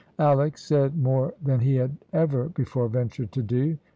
Alick said more than he had ever before ventured to do.